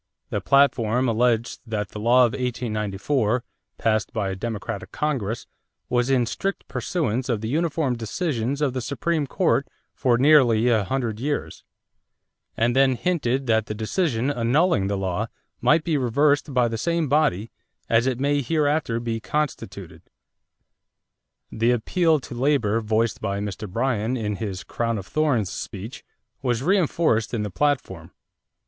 The platform alleged that the law of 1894, passed by a Democratic Congress, was "in strict pursuance of the uniform decisions of the Supreme Court for nearly a hundred years," and then hinted that the decision annulling the law might be reversed by the same body "as it may hereafter be constituted." The appeal to labor voiced by Mr. Bryan in his "crown of thorns" speech was reinforced in the platform.